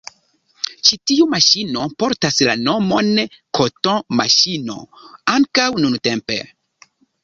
Ĉi tiu maŝino portas la nomon “cotton-maŝino” ankaŭ nuntempe.